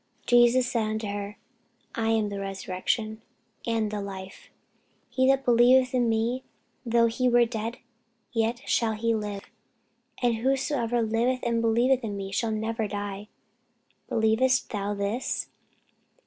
Jesus said unto her, I am the resurrection, and the life: he that believeth in me, though he were dead, yet shall he live: and whosoever liveth and believeth in me shall never die. Believest thou this?